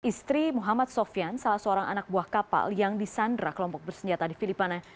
istri muhammad sofyan salah seorang anak buah kapal yang disandrak lompok bersenjata di filipana